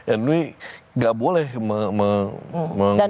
and we gak boleh meng